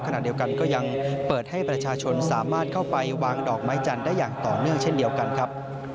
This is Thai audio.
ขณะเดียวกันก็ยังเปิดให้ประชาชนสามารถเข้าไปวางดอกไม้จันทร์ได้อย่างต่อเนื่องเช่นเดียวกันครับ